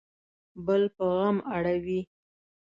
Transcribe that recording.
بل په غم اړوي